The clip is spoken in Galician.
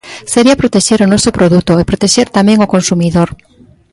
Sería protexer o noso produto e protexer tamén o consumidor.